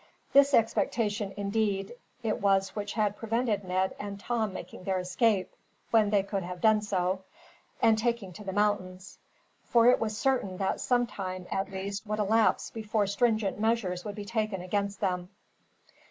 This expectation, indeed, it was which had prevented Ned and Tom making their escape, when they could have done so, and taking to the mountains; for it was certain that some time, at least, would elapse before stringent measures would be taken against them.